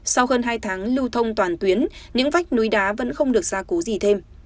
sau hơn hai tháng lưu thông toàn tuyến những vách núi đá vẫn không được ra cố gì thêm